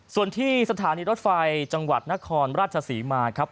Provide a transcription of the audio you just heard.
ส่วนที่สถานีรถไฟจังหวัดนครราชศรีมาครับ